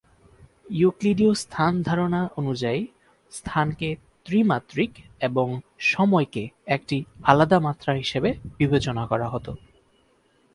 ইউক্লিডীয় স্থান ধারণা অনুযায়ী স্থানকে ত্রিমাত্রিক এবং সময়কে একটি আলাদা মাত্রা হিসেবে বিবেচনা করা হতো।